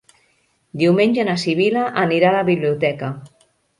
Diumenge na Sibil·la anirà a la biblioteca.